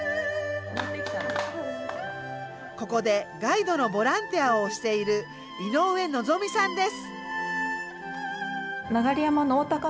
ここでガイドのボランティアをしている井上乃美さんです。